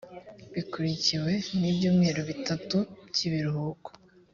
bikurikiwe n ibyumweru bitatu by ibiruhuko